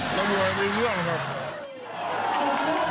ตำรวจมีเรื่องครับ